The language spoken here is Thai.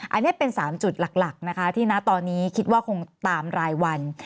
อันนี้เป็น๓จุดหลักนะคะที่นะตอนนี้คิดว่าคงตามรายวัน